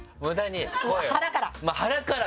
腹から。